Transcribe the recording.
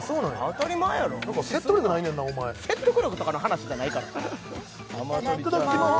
当たり前やろ説得力ないねんなお前説得力とかの話じゃないからいただきます